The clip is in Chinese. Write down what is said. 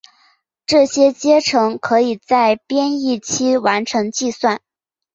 这些阶乘可以在编译期完成计算。